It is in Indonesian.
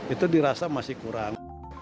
itu dirasa masih kurang